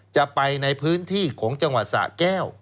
จะไปในพื้นที่ของจังหวัดสะแก้ว